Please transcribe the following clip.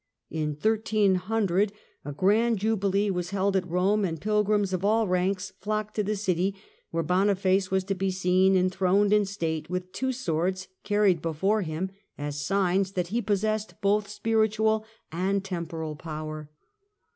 In 1300 a grand jubilee was held at Rome, and pilgrims of all ranks flocked to the city, where Boniface was to be seen en throned in state, with two swords carried before him as signs that he possessed both spiritual and temporal power.